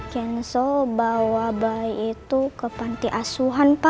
kenzo bawa bayi itu ke panti asuhan pa